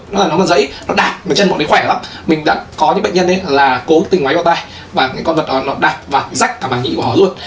nó là nó rẫy nó đạp và chân bọn đấy khỏe lắm mình đã có những bệnh nhân là cố tình ngoáy vòng tai và những con vật đó nó đạp và rách cả bản nhị của họ luôn